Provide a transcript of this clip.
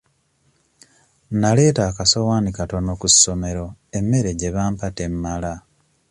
Naleeta akasowaani katono ku ssomero emmere gye bampa temmala.